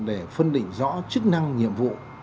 để phân định rõ chức năng nhiệm vụ